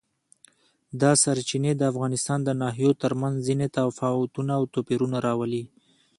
دا سرچینې د افغانستان د ناحیو ترمنځ ځینې تفاوتونه او توپیرونه راولي.